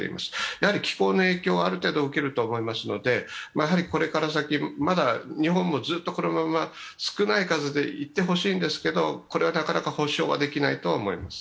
やはり気候の影響はある程度受けると思いますので、これから先、まだ日本もずっと、このまま少ない数でいってほしいんですけれども、これはなかなか保証はできないとは思います。